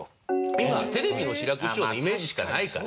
今はテレビの志らく師匠のイメージしかないから。